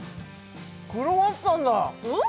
クロワッサンだ！